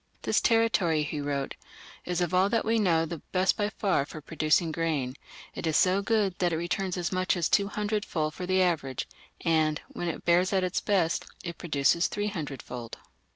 "This territory", he wrote, "is of all that we know the best by far for producing grain; it is so good that it returns as much as two hundredfold for the average, and, when it bears at its best, it produces three hundredfold.